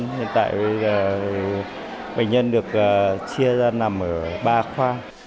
hiện tại bệnh nhân được chia ra nằm ở